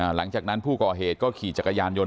หลังจากนั้นผู้ก่อเหตุก็ขี่จักรยานยนต